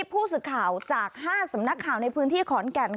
ผู้สื่อข่าวจาก๕สำนักข่าวในพื้นที่ขอนแก่น